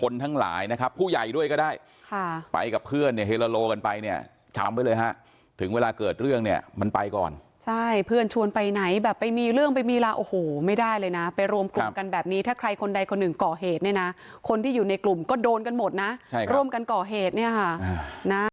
ทั้งหลายนะครับผู้ใหญ่ด้วยก็ได้ค่ะไปกับเพื่อนเนี่ยเฮโลกันไปเนี่ยจำไว้เลยฮะถึงเวลาเกิดเรื่องเนี่ยมันไปก่อนใช่เพื่อนชวนไปไหนแบบไปมีเรื่องไปมีลาโอ้โหไม่ได้เลยนะไปรวมกลุ่มกันแบบนี้ถ้าใครคนใดคนหนึ่งก่อเหตุเนี่ยนะคนที่อยู่ในกลุ่มก็โดนกันหมดนะใช่ครับร่วมกันก่อเหตุเนี่ยค่ะนะ